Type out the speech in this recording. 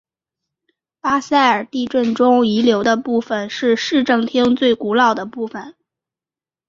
巴塞尔地震中遗留的部分是市政厅最古老的部分。